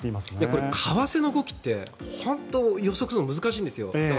これ、為替の動きって本当に予測するのが難しいんですよ。